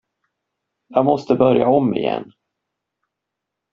Jag måste börja om igen.